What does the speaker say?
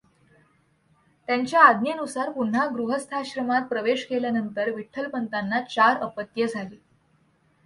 त्यांच्या आज्ञेनुसार पुन्हा गृहस्थाश्रमात प्रवेश केल्यानंतर विठ्ठलपंतांना चार अपत्ये झाली.